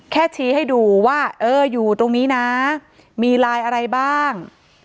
ชี้ให้ดูว่าเอออยู่ตรงนี้นะมีไลน์อะไรบ้าง